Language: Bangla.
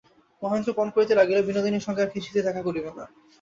মহেন্দ্র পণ করিতে লাগিল, বিনোদিনীর সঙ্গে আর কিছুতেই দেখা করিবে না।